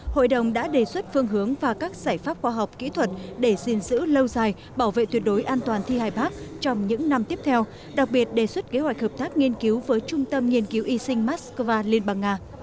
hội đồng đã đề xuất phương hướng và các giải pháp khoa học kỹ thuật để xin giữ lâu dài bảo vệ tuyệt đối an toàn thi hài bắc trong những năm tiếp theo đặc biệt đề xuất kế hoạch hợp tác nghiên cứu với trung tâm nghiên cứu y sinh moscow liên bang nga